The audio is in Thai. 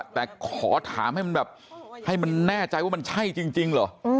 แต่ขอถามให้มันแบบให้มันแน่ใจว่ามันใช่จริงเหรอ